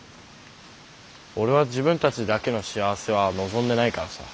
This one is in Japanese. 俺は自分たちだけの幸せは望んでないからさ。